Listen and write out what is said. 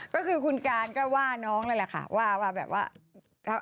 ก็คือคุณการก็ว่าน้องนั่นแหละค่ะว่าแบบว่า